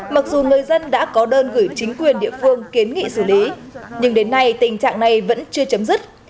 mặc dù người dân đã có đơn gửi chính quyền địa phương kiến nghị xử lý nhưng đến nay tình trạng này vẫn chưa chấm dứt